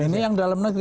ini yang dalam negeri